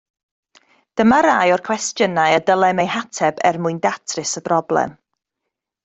Dyma rai o'r cwestiynau y dylem eu hateb er mwyn datrys y broblem.